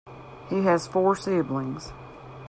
He has four siblings.